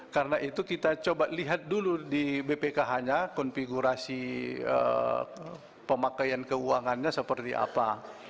karena itu kita coba lihat dulu di bpkh nya konfigurasi pemakaian keuangannya seperti apa